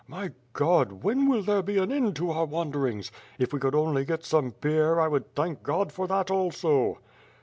My God! When will there be an end to our wanderings. If we could only get some beer, I would thank God for that also."